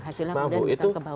hasilnya kemudian kita kebawah